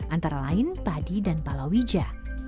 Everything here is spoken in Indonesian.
antara lain padi dan palawija